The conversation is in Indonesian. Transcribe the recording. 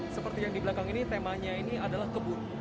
seperti yang di belakang ini temanya ini adalah kebun